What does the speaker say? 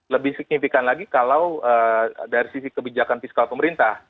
lebih signifikan lagi kalau dari sisi kebijakan fiskal pemerintah